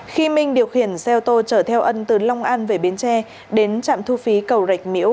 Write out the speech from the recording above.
khi minh điều khiển xe ô tô chở theo ân từ long an về biến tre đến trạm thu phí cầu rạch miễu